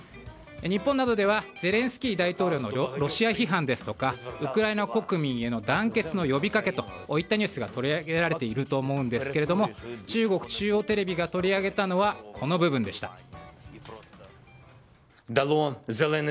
日本などではゼレンスキー大統領のロシア批判ですとかウクライナ国民への団結の呼びかけといったニュースが取り上げられていると思うんですが中国中央テレビが取り上げたのはこの部分でした。